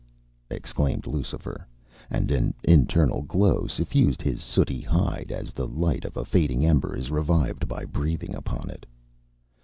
exclaimed Lucifer, and an internal glow suffused his sooty hide, as the light of a fading ember is revived by breathing upon it.